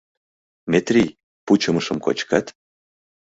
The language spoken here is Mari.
- Метрий, пучымышым кочкат?